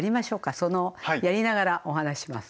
そのやりながらお話しします。